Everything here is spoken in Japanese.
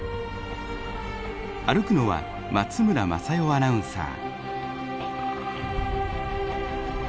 歩くのは松村正代アナウンサー。